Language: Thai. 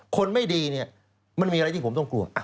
คนไม่ดีเนี่ยมันมีอะไรที่ผมต้องกลัว